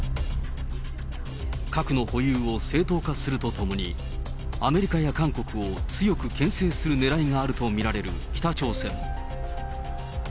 核の保有を正当化するとともに、アメリカや韓国を強くけん制するねらいがあると見られる北朝鮮。